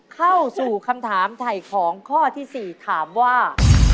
เข้าสู่คำถามถ่ายของข้อที่๔ถามว่า